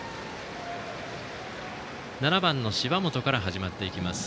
７番の芝本から始まっていきます。